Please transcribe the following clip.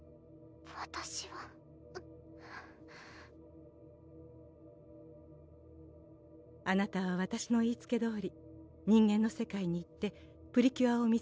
わたしはあなたはわたしの言いつけどおり人間の世界に行ってプリキュアを見つけました